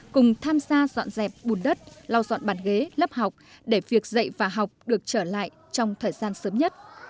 cùng tham gia dọn dẹp bùn đất lau dọn bàn ghế lớp học để việc dạy và học được trở lại trong thời gian sớm nhất